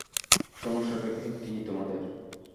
সমস্যাটা কী তোমাদের?